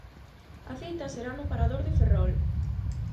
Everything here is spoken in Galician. A cita será no Parador de Ferrol.